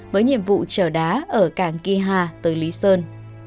với nhiệm vụ trở đá ở cảng ki hà tới lý sơn